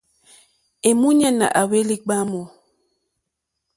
Èmúɲánà à hwélì ɡbwámù.